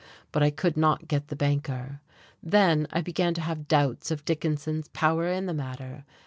But I could not get the banker. Then I began to have doubts of Dickinson's power in the matter.